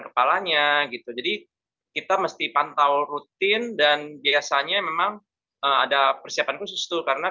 kepalanya gitu jadi kita mesti pantau rutin dan biasanya memang ada persiapan khusus tuh karena